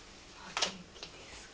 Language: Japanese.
お元気ですか？